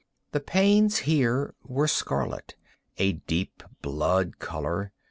The panes here were scarlet—a deep blood color.